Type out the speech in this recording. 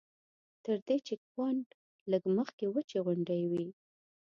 تر دې چیک پواینټ لږ مخکې وچې غونډۍ وې.